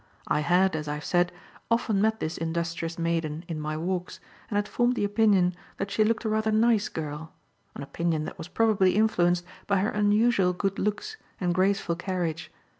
I had, as I have said, often met this industrious maiden in my walks and had formed the opinion that she looked a rather nice girl; an opinion that was probably influenced by her unusual good looks and graceful carriage.